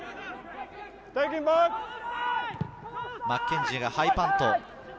マッケンジーがハイパント。